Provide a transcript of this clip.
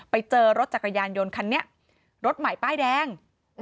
ไปเจอรถจักรยานยนต์คันนี้รถใหม่ป้ายแดง